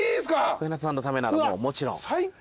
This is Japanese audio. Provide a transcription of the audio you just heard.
小日向さんのためならもちろん。